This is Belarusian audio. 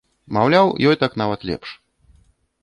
Маўляў, ёй так нават лепш.